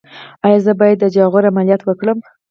ایا زه باید د جاغور عملیات وکړم؟